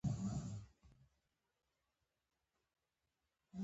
• د انګورو پاڼې زرغون او لویې وي.